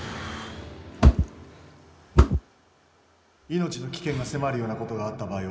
命の危険が迫るようなことがあった場合は